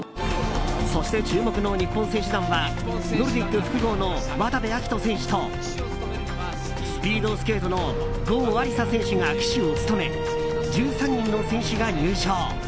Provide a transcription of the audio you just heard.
そして注目の日本選手団はノルディック複合の渡部暁斗選手とスピードスケートの郷亜里砂選手が旗手を務め１３人の選手が入場。